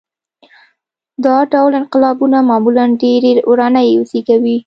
دا ډول انقلابونه معمولاً ډېرې ورانۍ زېږوي.